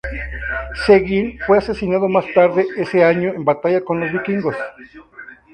Seguin fue asesinado más tarde ese año en batalla con los Vikingos.